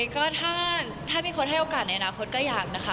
ก็ถ้ามีคนให้โอกาสในอนาคตก็อยากนะคะ